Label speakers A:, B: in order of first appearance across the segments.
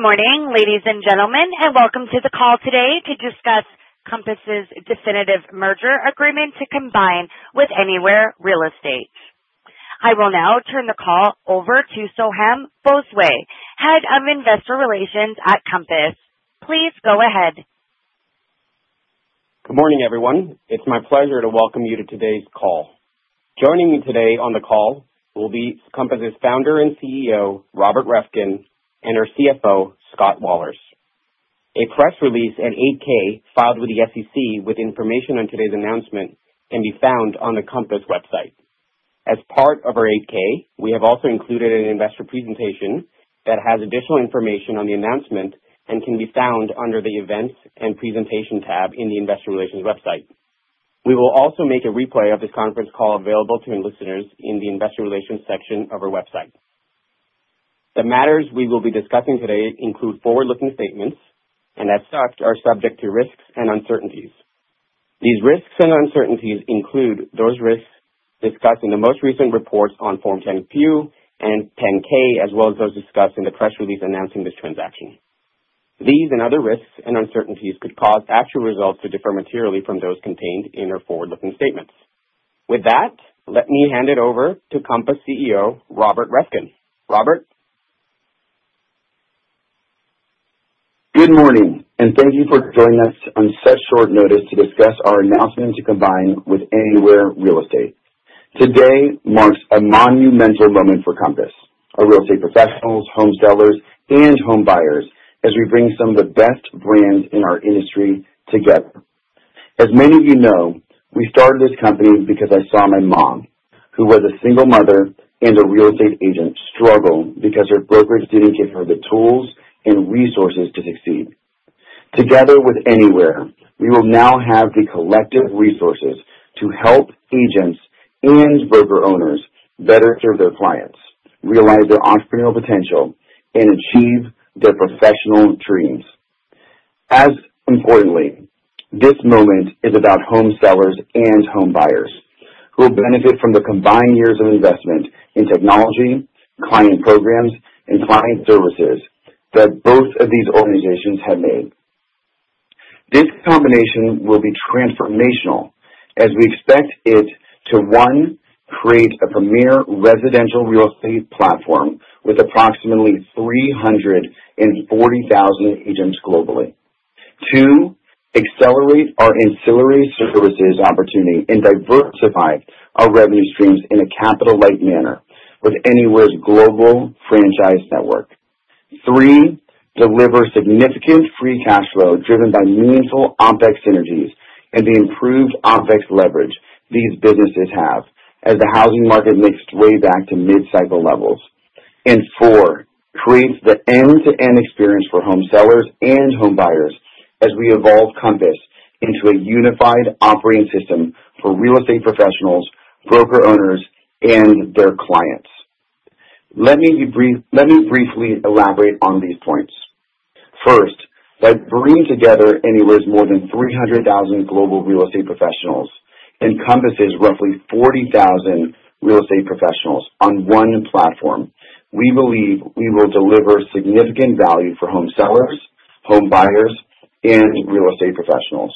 A: Good morning, ladies and gentlemen, and welcome to the call today to discuss Compass's definitive merger agreement to combine with Anywhere Real Estate. I will now turn the call over to Soham Bhonsle, Head of Investor Relations at Compass. Please go ahead.
B: Good morning, everyone. It's my pleasure to welcome you to today's call. Joining me today on the call will be Compass's founder and CEO, Robert Reffkin, and our CFO, Scott Wahlers. A press release and 8-K filed with the SEC with information on today's announcement can be found on the Compass website. As part of our 8-K, we have also included an investor presentation that has additional information on the announcement and can be found under the Events and Presentation tab in the Investor Relations website. We will also make a replay of this conference call available to listeners in the Investor Relations section of our website. The matters we will be discussing today include forward-looking statements and, as such, are subject to risks and uncertainties. These risks and uncertainties include those risks discussed in the most recent reports on Form 10-Q and 10-K, as well as those discussed in the press release announcing this transaction. These and other risks and uncertainties could cause actual results to differ materially from those contained in our forward-looking statements. With that, let me hand it over to Compass CEO, Robert Reffkin. Robert?
C: Good morning, and thank you for joining us on such short notice to discuss our announcement to combine with Anywhere Real Estate. Today marks a monumental moment for Compass, our real estate professionals, home sellers, and home buyers, as we bring some of the best brands in our industry together. As many of you know, we started this company because I saw my mom, who was a single mother and a real estate agent, struggle because her brokerage didn't give her the tools and resources to succeed. Together with Anywhere, we will now have the collective resources to help agents and broker owners better serve their clients, realize their entrepreneurial potential, and achieve their professional dreams. As importantly, this moment is about home sellers and home buyers who will benefit from the combined years of investment in technology, client programs, and client services that both of these organizations have made. This combination will be transformational as we expect it to, one, create a premier residential real estate platform with approximately 340,000 agents globally. Two, accelerate our ancillary services opportunity and diversify our revenue streams in a capital-light manner with Anywhere's global franchise network. Three, deliver significant free cash flow driven by meaningful OpEx synergies and the improved OpEx leverage these businesses have as the housing market makes its way back to mid-cycle levels. And four, create the end-to-end experience for home sellers and home buyers as we evolve Compass into a unified operating system for real estate professionals, broker owners, and their clients. Let me briefly elaborate on these points. First, by bringing together Anywhere's more than 300,000 global real estate professionals and Compass's roughly 40,000 real estate professionals on one platform, we believe we will deliver significant value for home sellers, home buyers, and real estate professionals.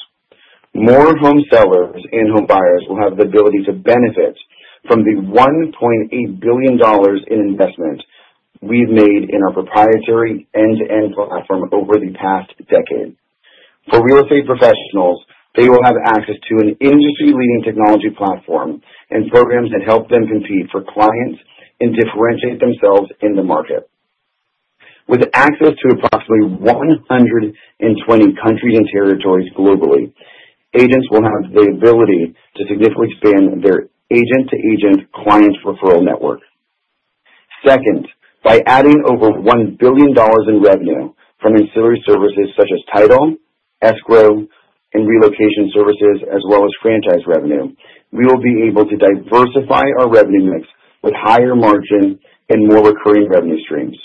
C: More home sellers and home buyers will have the ability to benefit from the $1.8 billion in investment we've made in our proprietary end-to-end platform over the past decade. For real estate professionals, they will have access to an industry-leading technology platform and programs that help them compete for clients and differentiate themselves in the market. With access to approximately 120 countries and territories globally, agents will have the ability to significantly expand their agent-to-agent client referral network. Second, by adding over $1 billion in revenue from ancillary services such as Title, Escrow, and Relocation services, as well as Franchise revenue, we will be able to diversify our revenue mix with higher margins and more recurring revenue streams.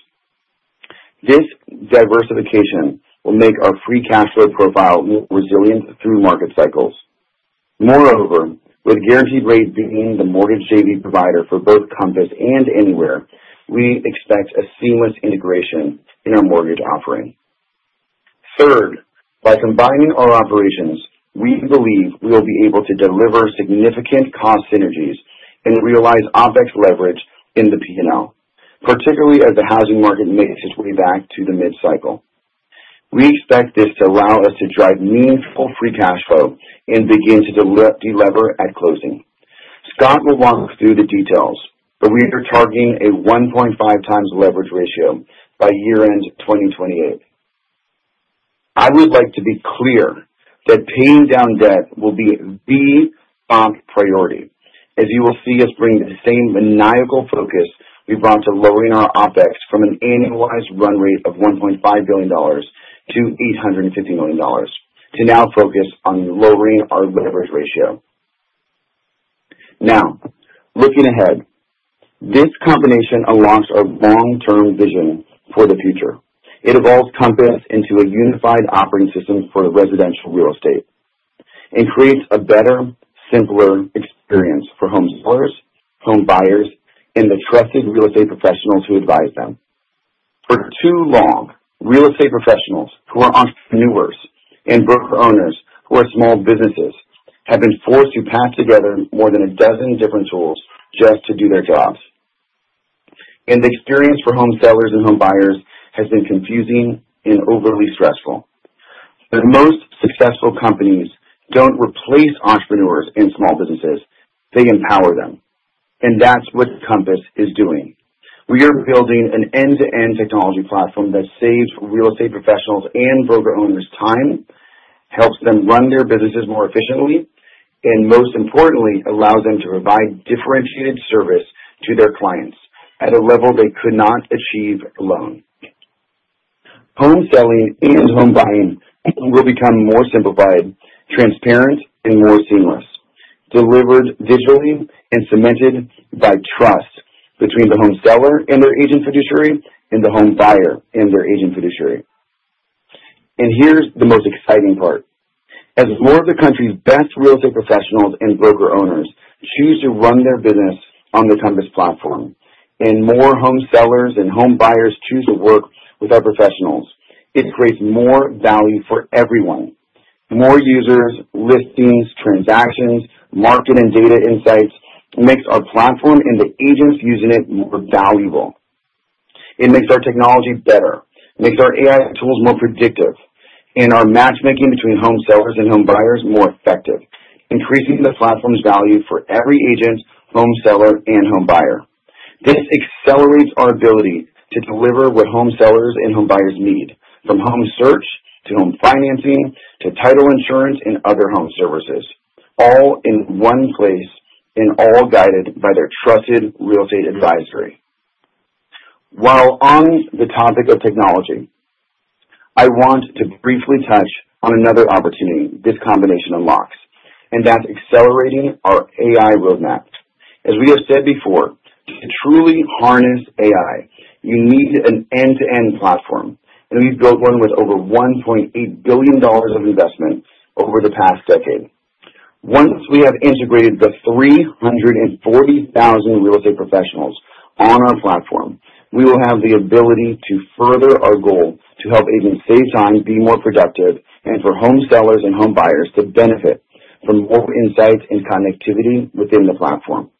C: This diversification will make our free cash flow profile more resilient through market cycles. Moreover, with Guaranteed Rate being the mortgage savings provider for both Compass and Anywhere, we expect a seamless integration in our mortgage offering. Third, by combining our operations, we believe we will be able to deliver significant cost synergies and realize OpEx leverage in the P&L, particularly as the housing market makes its way back to the mid-cycle. We expect this to allow us to drive meaningful free cash flow and begin to deliver at closing. Scott will walk us through the details, but we are targeting a 1.5 times leverage ratio by year-end 2028. I would like to be clear that paying down debt will be the top priority, as you will see us bring the same maniacal focus we brought to lowering our OpEx from an annualized run rate of $1.5 billion to $850 million, to now focus on lowering our leverage ratio. Now, looking ahead, this combination unlocks a long-term vision for the future. It evolves Compass into a unified operating system for residential real estate and creates a better, simpler experience for home sellers, home buyers, and the trusted real estate professionals who advise them. For too long, real estate professionals who are entrepreneurs and broker owners who are small businesses have been forced to patch together more than a dozen different tools just to do their jobs. And the experience for home sellers and home buyers has been confusing and overly stressful. The most successful companies don't replace entrepreneurs and small businesses. They empower them. And that's what Compass is doing. We are building an end-to-end technology platform that saves real estate professionals and broker owners time, helps them run their businesses more efficiently, and most importantly, allows them to provide differentiated service to their clients at a level they could not achieve alone. Home selling and home buying will become more simplified, transparent, and more seamless, delivered digitally and cemented by trust between the home seller and their agent fiduciary and the home buyer and their agent fiduciary. And here's the most exciting part. As more of the country's best real estate professionals and broker owners choose to run their business on the Compass platform and more home sellers and home buyers choose to work with our professionals, it creates more value for everyone. More users, listings, transactions, market, and data insights make our platform and the agents using it more valuable. It makes our technology better, makes our AI tools more predictive, and our matchmaking between home sellers and home buyers more effective, increasing the platform's value for every agent, home seller, and home buyer. This accelerates our ability to deliver what home sellers and home buyers need, from home search to home financing to title insurance and other home services, all in one place and all guided by their trusted real estate advisory. While on the topic of technology, I want to briefly touch on another opportunity this combination unlocks, and that's accelerating our AI roadmap. As we have said before, to truly harness AI, you need an end-to-end platform, and we've built one with over $1.8 billion of investment over the past decade. Once we have integrated the 340,000 real estate professionals on our platform, we will have the ability to further our goal to help agents save time, be more productive, and for home sellers and home buyers to benefit from more insights and connectivity within the platform,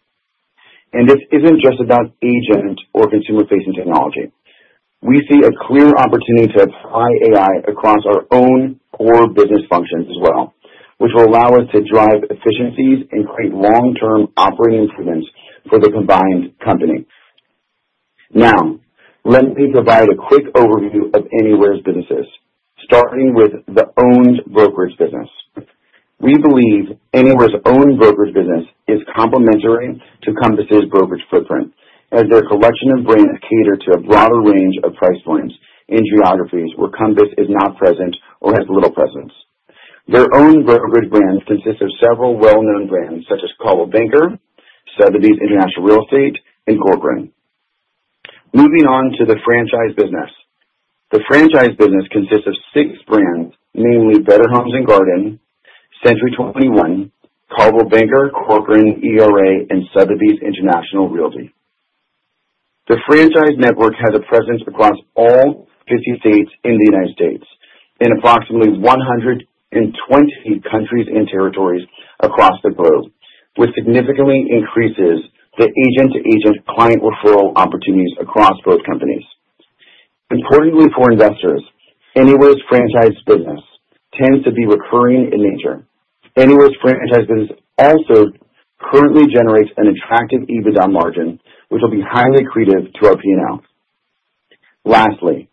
C: and this isn't just about agent or consumer-facing technology. We see a clear opportunity to apply AI across our own core business functions as well, which will allow us to drive efficiencies and create long-term operating improvements for the combined company. Now, let me provide a quick overview of Anywhere's businesses, starting with the owned brokerage business. We believe Anywhere's owned brokerage business is complementary to Compass's brokerage footprint, as their collection of brands cater to a broader range of price points and geographies where Compass is not present or has little presence. Their owned brokerage brands consist of several well-known brands, such as Coldwell Banker, Sotheby's International Realty, and Corcoran. Moving on to the Franchise business. The Franchise business consists of six brands, namely Better Homes and Gardens, Century 21, Coldwell Banker, Corcoran, ERA, and Sotheby's International Realty. The Franchise network has a presence across all 50 states in the United States and approximately 120 countries and territories across the globe, which significantly increases the agent-to-agent client referral opportunities across both companies. Importantly for investors, Anywhere's Franchise business tends to be recurring in nature. Anywhere's Franchise business also currently generates an attractive EBITDA margin, which will be highly creative to our P&L. Lastly,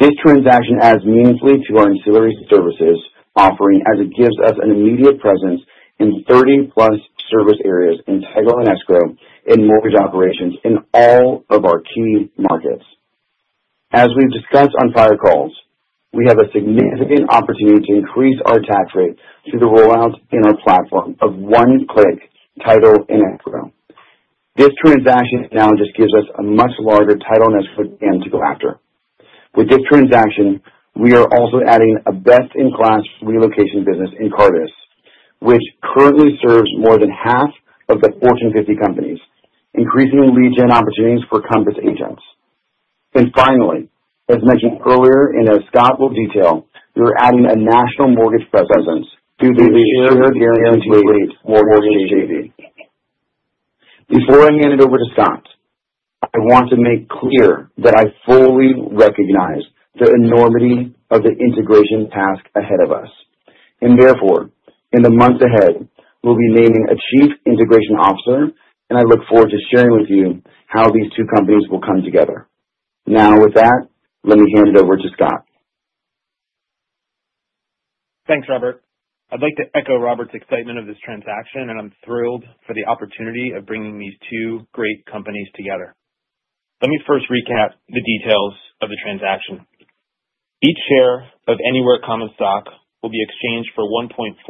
C: this transaction adds meaningfully to our ancillary services offering, as it gives us an immediate presence in 30+ service areas in Title and Escrow and mortgage operations in all of our key markets. As we've discussed on prior calls, we have a significant opportunity to increase our tax rate through the rollout in our platform of One-Click Title & Escrow. This transaction now just gives us a much larger Title and Escrow demand to go after. With this transaction, we are also adding a best-in-class relocation business in Cartus, which currently serves more than half of the Fortune 50 companies, increasing lead gen opportunities for Compass agents. And finally, as mentioned earlier, in a bit Scott will detail, we're adding a national mortgage presence through the shared Guaranteed Rate mortgage savings. Before I hand it over to Scott, I want to make clear that I fully recognize the enormity of the integration task ahead of us. And therefore, in the months ahead, we'll be naming a Chief Integration Officer, and I look forward to sharing with you how these two companies will come together. Now, with that, let me hand it over to Scott.
D: Thanks, Robert. I'd like to echo Robert's excitement of this transaction, and I'm thrilled for the opportunity of bringing these two great companies together. Let me first recap the details of the transaction. Each share of Anywhere Common Stock will be exchanged for 1.436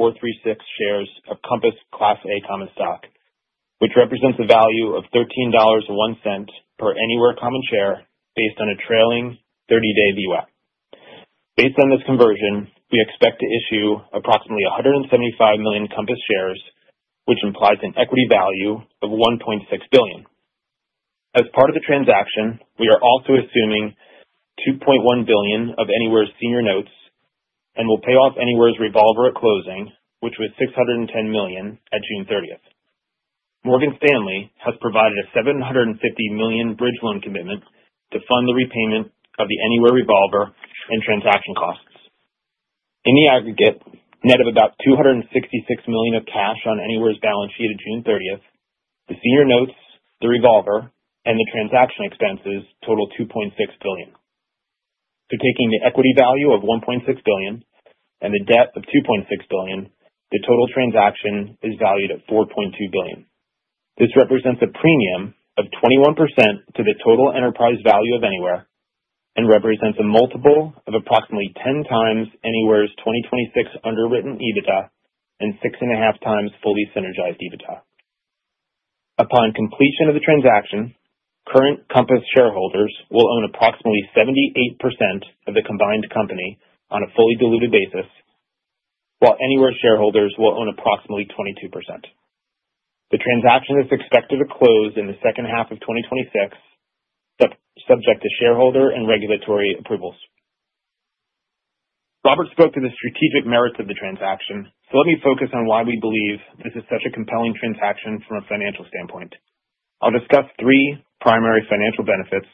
D: shares of Compass Class A Common Stock, which represents a value of $13.01 per Anywhere Common Share based on a trailing 30-day VWAP. Based on this conversion, we expect to issue approximately 175 million Compass shares, which implies an equity value of $1.6 billion. As part of the transaction, we are also assuming $2.1 billion of Anywhere's senior notes and will pay off Anywhere's revolver at closing, which was $610 million at June 30th. Morgan Stanley has provided a $750 million bridge loan commitment to fund the repayment of the Anywhere revolver and transaction costs. In the aggregate, net of about $266 million of cash on Anywhere's balance sheet at June 30th, the senior notes, the revolver, and the transaction expenses total $2.6 billion. So taking the equity value of $1.6 billion and the debt of $2.6 billion, the total transaction is valued at $4.2 billion. This represents a premium of 21% to the total enterprise value of Anywhere and represents a multiple of approximately 10 times Anywhere's 2026 underwritten EBITDA and 6.5 times fully synergized EBITDA. Upon completion of the transaction, current Compass shareholders will own approximately 78% of the combined company on a fully diluted basis, while Anywhere shareholders will own approximately 22%. The transaction is expected to close in the second half of 2026, subject to shareholder and regulatory approvals. Robert spoke to the strategic merits of the transaction, so let me focus on why we believe this is such a compelling transaction from a financial standpoint. I'll discuss three primary financial benefits,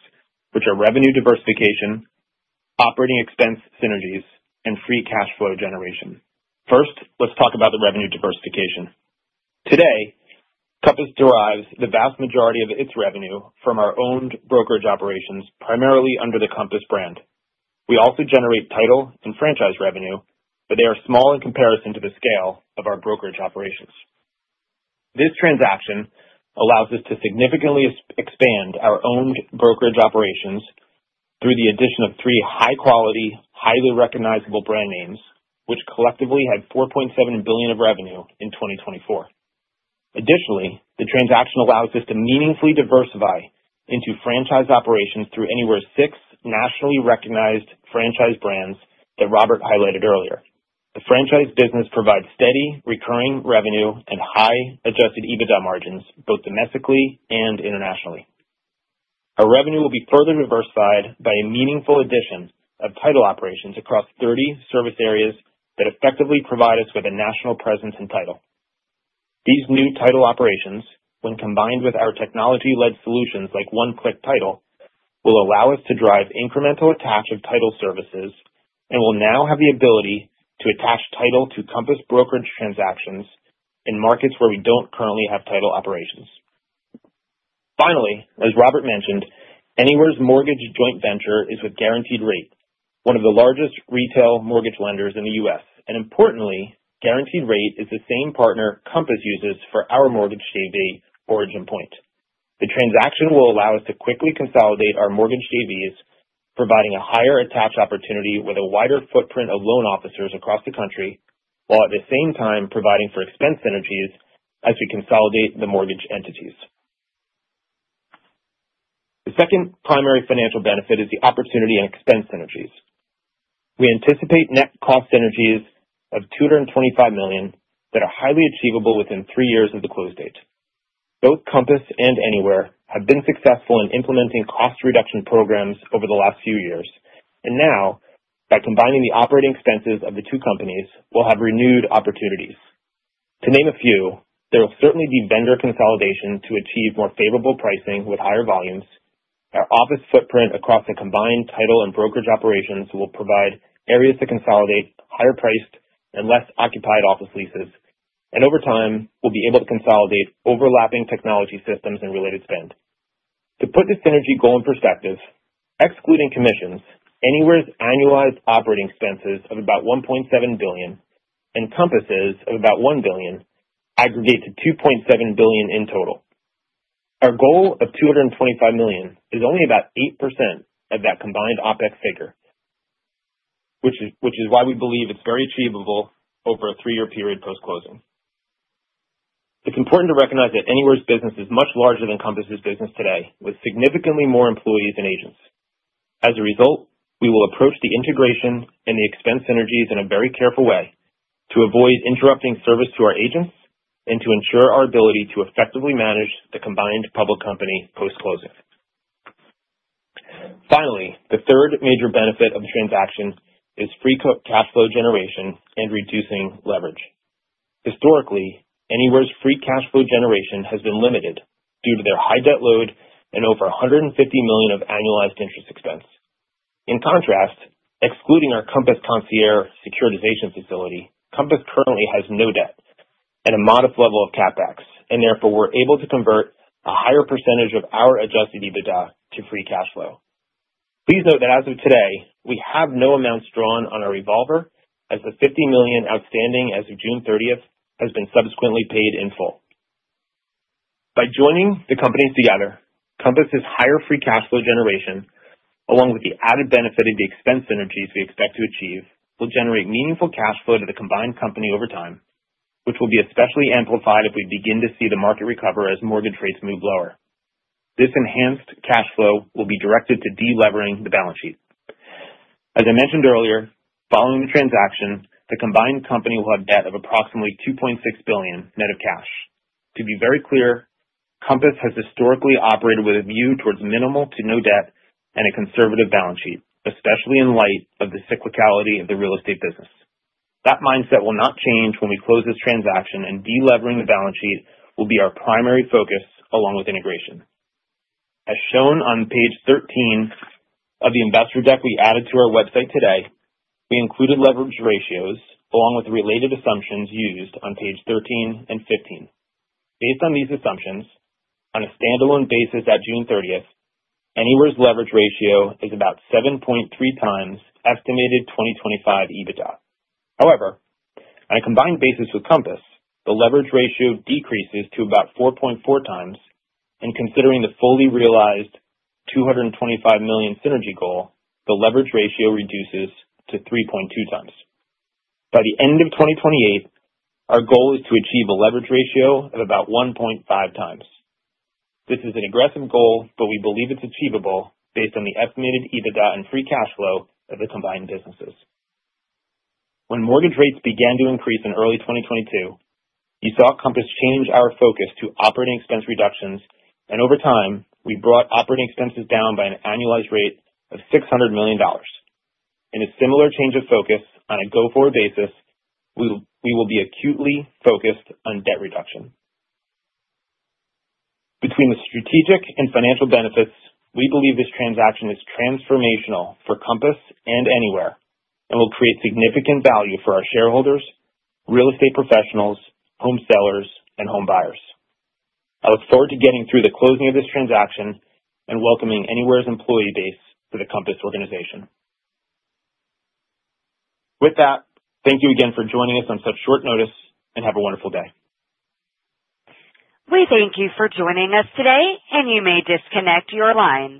D: which are revenue diversification, operating expense synergies, and free cash flow generation. First, let's talk about the revenue diversification. Today, Compass derives the vast majority of its revenue from our owned brokerage operations, primarily under the Compass brand. We also generate Title and Franchise revenue, but they are small in comparison to the scale of our brokerage operations. This transaction allows us to significantly expand our owned brokerage operations through the addition of three high-quality, highly recognizable brand names, which collectively had $4.7 billion of revenue in 2024. Additionally, the transaction allows us to meaningfully diversify into Franchise operations through Anywhere's six nationally recognized Franchise brands that Robert highlighted earlier. The Franchise business provides steady, recurring revenue and high adjusted EBITDA margins both domestically and internationally. Our revenue will be further diversified by a meaningful addition of Title operations across 30 service areas that effectively provide us with a national presence in Title. These new Title operations, when combined with our technology-led solutions like One-Click Title, will allow us to drive incremental attach of Title services and will now have the ability to attach Title to Compass brokerage transactions in markets where we don't currently have Title operations. Finally, as Robert mentioned, Anywhere's mortgage joint venture is with Guaranteed Rate, one of the largest retail mortgage lenders in the U.S. And importantly, Guaranteed Rate is the same partner Compass uses for our mortgage saving OriginPoint. The transaction will allow us to quickly consolidate our mortgage savings, providing a higher attach opportunity with a wider footprint of loan officers across the country, while at the same time providing for expense synergies as we consolidate the mortgage entities. The second primary financial benefit is the opportunity and expense synergies. We anticipate net cost synergies of $225 million that are highly achievable within three years of the close date. Both Compass and Anywhere have been successful in implementing cost reduction programs over the last few years. And now, by combining the operating expenses of the two companies, we'll have renewed opportunities. To name a few, there will certainly be vendor consolidation to achieve more favorable pricing with higher volumes. Our office footprint across the combined Title and brokerage operations will provide areas to consolidate higher-priced and less occupied office leases. Over time, we'll be able to consolidate overlapping technology systems and related spend. To put the synergy goal in perspective, excluding commissions, Anywhere's annualized operating expenses of about $1.7 billion and Compass's of about $1 billion aggregate to $2.7 billion in total. Our goal of $225 million is only about 8% of that combined OpEx figure, which is why we believe it's very achievable over a three-year period post-closing. It's important to recognize that Anywhere's business is much larger than Compass's business today, with significantly more employees and agents. As a result, we will approach the integration and the expense synergies in a very careful way to avoid interrupting service to our agents and to ensure our ability to effectively manage the combined public company post-closing. Finally, the third major benefit of the transaction is free cash flow generation and reducing leverage. Historically, Anywhere's free cash flow generation has been limited due to their high debt load and over $150 million of annualized interest expense. In contrast, excluding our Compass Concierge securitization facility, Compass currently has no debt and a modest level of CapEx, and therefore we're able to convert a higher percentage of our adjusted EBITDA to free cash flow. Please note that as of today, we have no amounts drawn on our revolver, as the $50 million outstanding as of June 30th has been subsequently paid in full. By joining the companies together, Compass's higher free cash flow generation, along with the added benefit of the expense synergies we expect to achieve, will generate meaningful cash flow to the combined company over time, which will be especially amplified if we begin to see the market recover as mortgage rates move lower. This enhanced cash flow will be directed to delevering the balance sheet. As I mentioned earlier, following the transaction, the combined company will have debt of approximately $2.6 billion net of cash. To be very clear, Compass has historically operated with a view towards minimal to no debt and a conservative balance sheet, especially in light of the cyclicality of the real estate business. That mindset will not change when we close this transaction, and delevering the balance sheet will be our primary focus along with integration. As shown on page 13 of the investor deck we added to our website today, we included leverage ratios along with related assumptions used on page 13 and 15. Based on these assumptions, on a standalone basis at June 30th, Anywhere's leverage ratio is about 7.3 times estimated 2025 EBITDA. However, on a combined basis with Compass, the leverage ratio decreases to about 4.4 times, and considering the fully realized $225 million synergy goal, the leverage ratio reduces to 3.2 times. By the end of 2028, our goal is to achieve a leverage ratio of about 1.5 times. This is an aggressive goal, but we believe it's achievable based on the estimated EBITDA and free cash flow of the combined businesses. When mortgage rates began to increase in early 2022, we saw Compass change our focus to operating expense reductions, and over time, we brought operating expenses down by an annualized rate of $600 million. In a similar change of focus on a go-forward basis, we will be acutely focused on debt reduction. Between the strategic and financial benefits, we believe this transaction is transformational for Compass and Anywhere and will create significant value for our shareholders, real estate professionals, home sellers, and home buyers. I look forward to getting through the closing of this transaction and welcoming Anywhere's employee base to the Compass organization. With that, thank you again for joining us on such short notice, and have a wonderful day.
A: We thank you for joining us today, and you may disconnect your line.